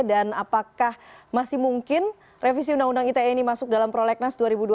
dan apakah masih mungkin revisi undang undang ite ini masuk dalam prolegnas dua ribu dua puluh satu